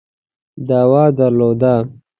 دعوه درلوده.